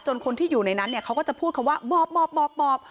คนที่อยู่ในนั้นเนี่ยเขาก็จะพูดคำว่าหมอบ